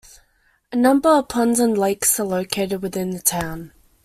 A number of ponds and lakes are located within the town.